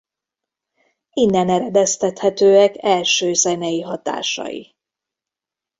Innen eredeztethetőek első zenei hatásai.